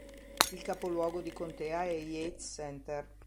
Il capoluogo di contea è Yates Center.